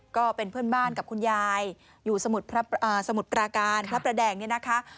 ก็เป็นเพื่อนบ้านกับคุณยายอยู่สมุทรปราการพระประแดงเนี่ยนะคะ